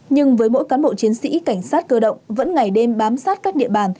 nhưng với mỗi cán bộ chiến sĩ cảnh sát cơ động vẫn ngày đêm bám sát các địa bàn